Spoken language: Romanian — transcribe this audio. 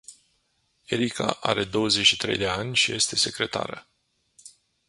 Erica are douăzeci și trei de ani și este secretară.